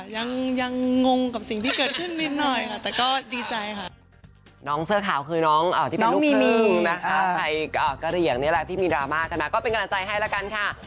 ค่ะยังงงกับสิ่งที่เกิดขึ้นนิดหน่อยแต่ก็ดีใจค่ะ